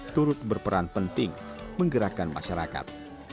turut berperan penting menggerakkan masyarakat